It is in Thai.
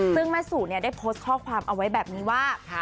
ซึ่งแม่สู่ได้โพสต์ข้อความเอาไว้แบบนี้ว่า